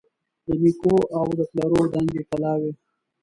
د نیکو او د پلرو دنګي کلاوي